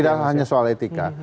tidak hanya soal etika